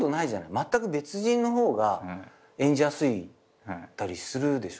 まったく別人の方が演じやすかったりするでしょ？